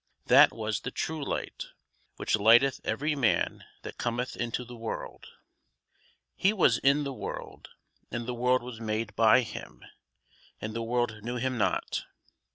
That was the true Light, which lighteth every man that cometh into the world. He was in the world, and the world was made by him, and the world knew him not.